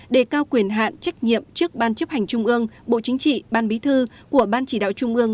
đề cao quyền hạn trách nhiệm trước ban chấp hành trung ương bộ chính trị ban bí thư của ban chỉ đạo trung ương